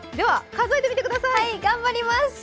はい、頑張ります。